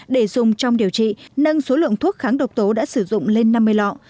để dùng trong điều trị nâng số lượng thuốc kháng độc tố đã sử dụng lên năm mươi lọ